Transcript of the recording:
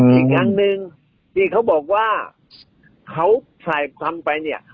อีกอันหนึ่งที่เขาบอกว่าเขาใส่ควันไปเนี่ย